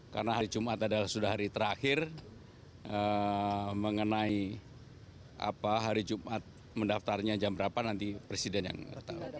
karena hari jumat adalah sudah hari terakhir mengenai hari jumat mendaftarnya jam berapa nanti presiden yang tahu